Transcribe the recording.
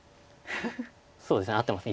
そうですね合ってます